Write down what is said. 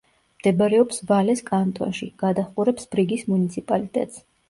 მდებარეობს ვალეს კანტონში; გადაჰყურებს ბრიგის მუნიციპალიტეტს.